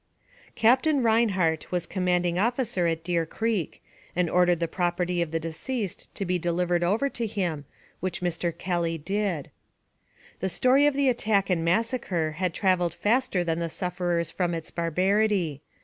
Captain Rhineheart was commanding officer at Deer Creek, and ordered the property of the deceased to be delivered over to him, which Mr. Kelly did. The story of the attack and massacre had traveled faster than the sufferers from its barbarity.